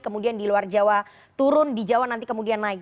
kemudian di luar jawa turun di jawa nanti kemudian naik